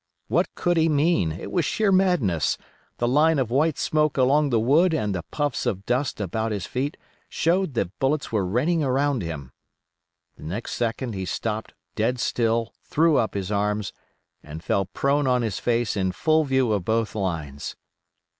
What could he mean, it was sheer madness; the line of white smoke along the wood and the puffs of dust about his feet showed that bullets were raining around him. The next second he stopped dead still, threw up his arms, and fell prone on his face in full view of both lines.